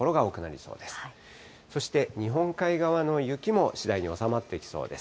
そして日本海側の雪も次第に収まってきそうです。